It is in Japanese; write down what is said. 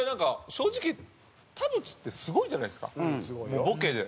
正直田渕ってすごいじゃないですかボケで。